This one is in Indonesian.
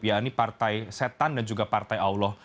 yakni partai setan dan juga partai allah